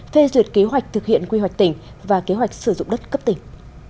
phê duyệt kế hoạch thực hiện quy hoạch tỉnh và kế hoạch sử dụng đất cấp tỉnh